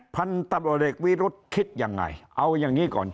พันธุ์ตำรวจเอกวิรุษศิริสวัสดิบุตรคิดยังไงเอายังงี้ก่อน